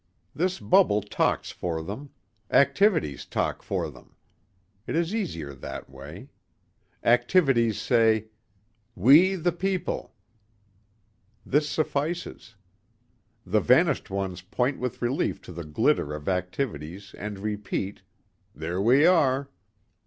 This bubble talks for them. Activities talk for them. It is easier that way. Activities say, "We, the people." This suffices. The vanished ones point with relief to the glitter of activities and repeat, "There are we."